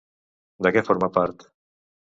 De què forma part?